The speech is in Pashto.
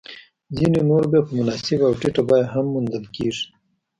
ځیني نور بیا په مناسبه او ټیټه بیه هم موندل کېږي